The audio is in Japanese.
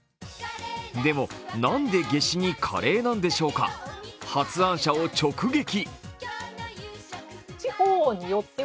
でもなんで夏至にカレーなんでしょうか、発案者を直撃。